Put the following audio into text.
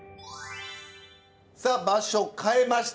さあ場所変えました。